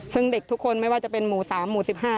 ซึ่งเด็กทุกคนไม่ว่าจะเป็นหมู่๓หมู่๑๕